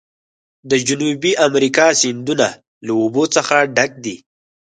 د جنوبي امریکا سیندونه له اوبو څخه ډک دي.